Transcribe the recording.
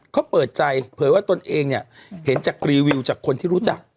เขาเปิดใจเผยว่าตนเองเนี่ยเห็นจากรีวิวจากคนที่รู้จัก